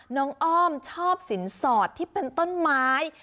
อ้อมชอบสินสอดที่เป็นต้นไม้